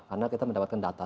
karena kita mendapatkan data